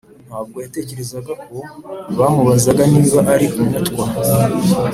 ntabwo yatekerezaga ko bamubaza niba ari Umutwa,